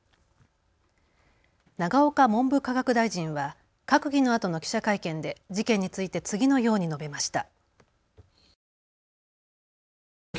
永岡文部科学大臣は閣議のあとの記者会見で事件について次のように述べました。